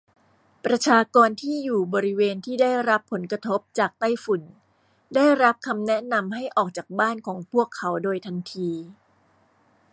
ประชากรที่อยู่บริเวณที่ได้รับผลกระทบจากไต้ฝุ่น ได้รับคำแนะนำให้ออกจากบ้านของพวกเขาโดยทันที